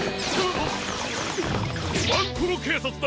ワンコロけいさつだ！